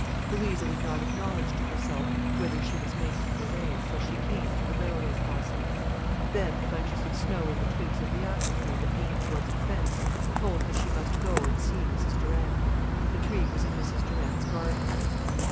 Louisa would not acknowledge to herself whither she was making her way, till she came to the railway crossing. Then the bunches of snow in the twigs of the apple tree that leaned towards the fence told her she must go and see Mrs Durant. The tree was in Mrs Durant's garden.